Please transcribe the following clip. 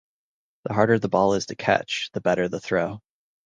The harder the ball is to catch, the better the throw.